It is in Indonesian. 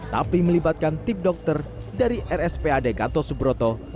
tapi melibatkan tim dokter dari rspad gatot subroto